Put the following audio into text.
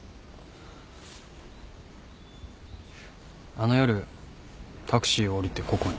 あの夜タクシーを降りてここに。